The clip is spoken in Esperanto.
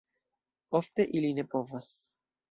Ofte ili ne povas.